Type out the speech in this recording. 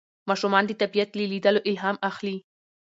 ماشومان د طبیعت له لیدلو الهام اخلي